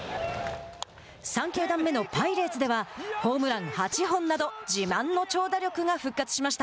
３球団目のパイレーツではホームラン８本など自慢の長打力が復活しました。